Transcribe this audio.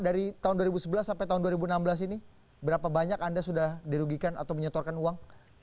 dari tahun dua ribu sebelas sampai tahun dua ribu enam belas ini berapa banyak anda sudah dirugikan atau menyetorkan uang